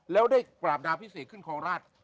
แล้วได้กราบดาพิเศษขึ้นคลองราช